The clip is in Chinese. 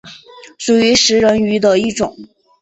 属于食人鱼的一种。